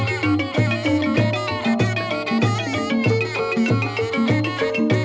ถึงซะผมนรับ